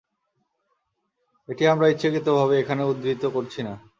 এটি আমরা ইচ্ছাকৃতভাবে এখানে উদ্ধৃত করছি না।